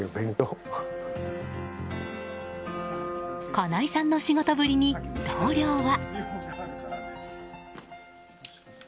金井さんの仕事ぶりに同僚は。